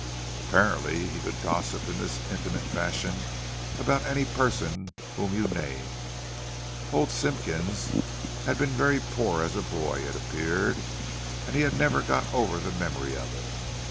Apparently he could gossip in this intimate fashion about any person whom you named. Old Simpkins had been very poor as a boy, it appeared, and he had never got over the memory of it.